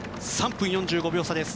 ３分４５秒差です。